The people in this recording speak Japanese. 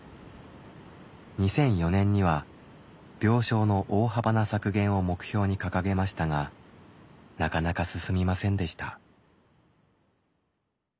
２００４年には病床の大幅な削減を目標に掲げましたがなかなか進みませんでした。